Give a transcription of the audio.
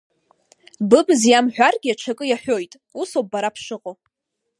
Быбз иамҳәаргьы аҽакы иаҳәоит, усоуп бара бшыҟоу!